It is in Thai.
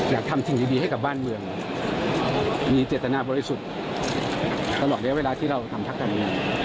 อยากทำสิ่งดีให้กับบ้านเมืองมีเจตนาบริสุทธิ์ตลอดระยะเวลาที่เราทำพักการเมือง